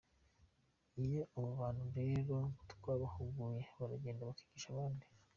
Iyo abo bantu rero twabahuguye baragenda bakigisha abandi.